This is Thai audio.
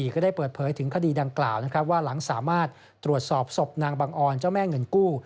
ก็ได้เปิดเผยถึงคดีดังกล่าวว่าหลังสามารถตรวจสอบศพนางบังออนเจ้าแม่เงินกู้